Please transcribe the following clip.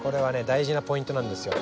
大事なポイントなんですよ。